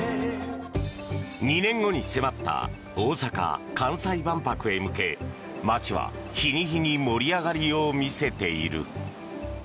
２年後に迫った大阪・関西万博へ向け街は、日に日に盛り上がりを見せている。